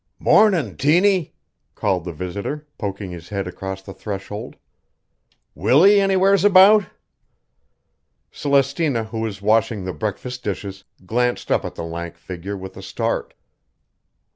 "Mornin', Tiny," called the visitor, poking his head across the threshold. "Willie anywheres about?" Celestina, who was washing the breakfast dishes, glanced up at the lank figure with a start.